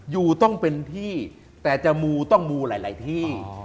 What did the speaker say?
อยู่ต้องเป็นที่แต่จะมูต้องมูหลายที่